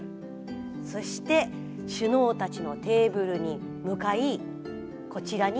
そして首脳たちのテーブルに向かいこちらに。